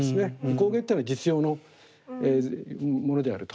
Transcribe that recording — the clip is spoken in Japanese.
工芸っていうのは実用のものであると。